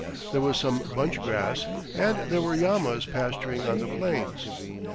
There was some bunch grass, and there were llamas pasturing on the plains.